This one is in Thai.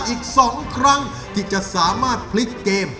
อีก๒ครั้งที่จะสามารถพลิกเกม